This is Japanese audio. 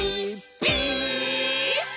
ピース！」